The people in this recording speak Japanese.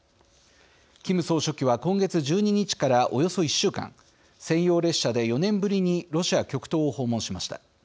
キム総書記は今月１２日からおよそ１週間専用列車で４年ぶりにロシア極東を訪問しました。